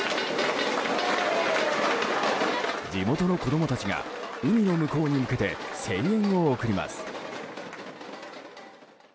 地元の子供たちが海の向こうに向けて声援を送ります。